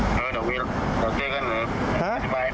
ภูมิใช่ไหมครับที่นี่ก็ต้องยาวของประกอบ